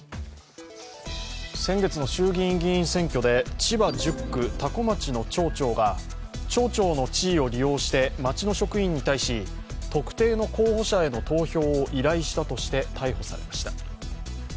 先月の衆議院議員選挙で千葉１０区、多古町の町長が町長の地位を利用して町の職員に対し、特定の候補者への投票を依頼したとして逮捕されました。